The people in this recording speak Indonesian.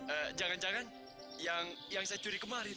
eh jangan jangan yang saya curi kemarin